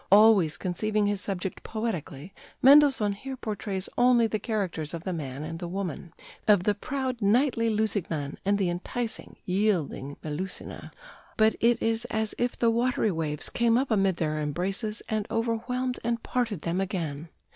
Always conceiving his subject poetically, Mendelssohn here portrays only the characters of the man and the woman, of the proud, knightly Lusignan and the enticing, yielding Melusina; but it is as if the watery waves came up amid their embraces and overwhelmed and parted them again.